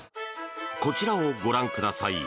こちらをご覧ください。